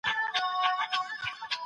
د اسلام دین د جهالت پر وړاندي رڼا ده.